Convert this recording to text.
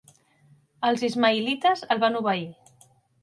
Els ismaïlites el van obeir.